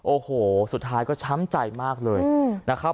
โอ้โหสุดท้ายก็ช้ำใจมากเลยนะครับ